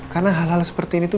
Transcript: karena hal hal seperti ini tuh